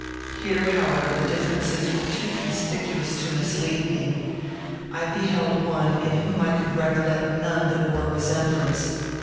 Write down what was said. Here, however, the differences were too conspicuous to mislead me. I beheld one in whom I could recollect none that bore resemblance.